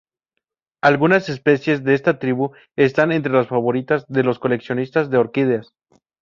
Algunas especies de esta tribu están entre las favoritas de los coleccionistas de orquídeas.